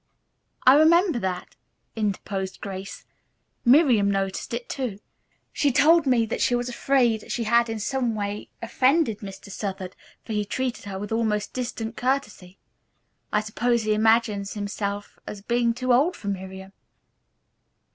"I remember that," interposed Grace. "Miriam noticed it, too. She told me that she was afraid she had in some way offended Mr. Southard, for he treated her with almost distant courtesy. I suppose he imagines himself as being too old for Miriam."